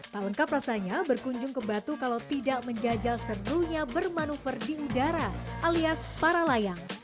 tak lengkap rasanya berkunjung ke batu kalau tidak menjajal serunya bermanuver di udara alias para layang